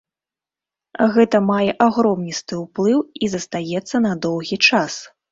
Гэта мае агромністы ўплыў і застаецца на доўгі час.